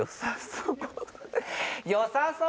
よさそう。